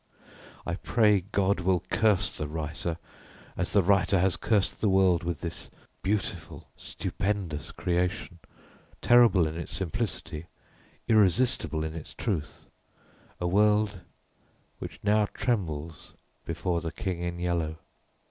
I pray God will curse the writer, as the writer has cursed the world with this beautiful, stupendous creation, terrible in its simplicity, irresistible in its truth a world which now trembles before the King in Yellow.